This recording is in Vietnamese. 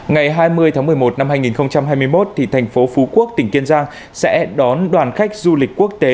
ngày hai mươi tháng một mươi một năm hai nghìn hai mươi một thành phố phú quốc tỉnh kiên giang sẽ đón đoàn khách du lịch quốc tế